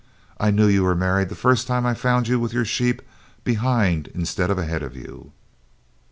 I knew you were married the first time I found you with your sheep behind instead of ahead of you."